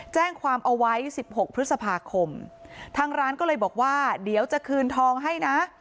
แจ้งความเอาไว้สิบหกพฤษภาคมทางร้านก็เลยบอกว่าเดี๋ยวจะคืนทองให้นะ